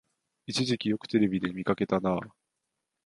一時期よくテレビで見かけたなあ